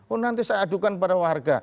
oh nanti saya adukan pada warga